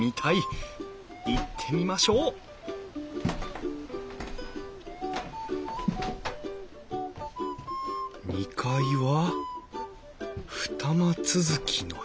行ってみましょう２階は二間続きの部屋か。